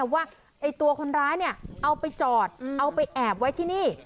ว่าตัวคนร้ายเนี่ยเอาไปจอดเอาไปแอบไว้ที่นี่